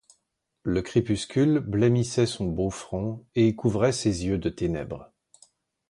Le crépuscule blêmissait son beau front et couvrait ses yeux de ténèbres.